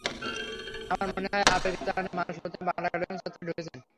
আমার মনে হয়, আবেগের তাড়নায় মানুষ প্রথমে বাংলা একাডেমি চত্বরে ঢুকছেন।